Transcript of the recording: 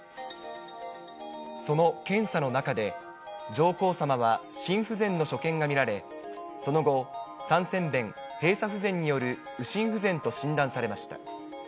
その検査の中で、上皇さまは心不全の所見が見られ、その後、三尖弁閉鎖不全による右心不全と診断されました。